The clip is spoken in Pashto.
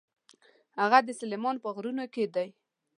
هغه د سلیمان په غرونو کې ده.